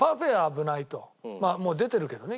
まあもう出てるけどね